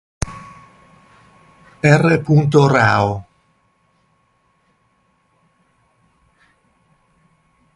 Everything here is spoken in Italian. R. Rao.